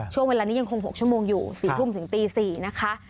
ช่วงเวลานี้ยังคง๖ชั่วโมงอยู่๔ทุ่มถึงตี๔นะคะ